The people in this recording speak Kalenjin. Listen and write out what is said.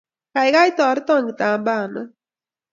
Gaigai, toreton kitambaana